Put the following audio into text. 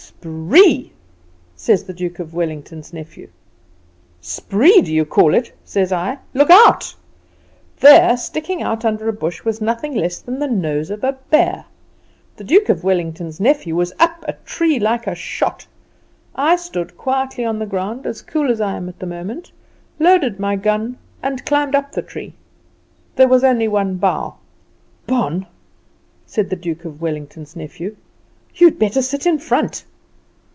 "'Spree!' says the Duke of Wellington's nephew. "'Spree, do you call it? says I. 'Look out.' "There, sticking out under a bush, was nothing less than the nose of a bear. The Duke of Wellington's nephew was up a tree like a shot; I stood quietly on the ground, as cool as I am at this moment, loaded my gun, and climbed up the tree. There was only one bough. "'Bon,' said the Duke of Wellington's nephew, 'you'd better sit in front.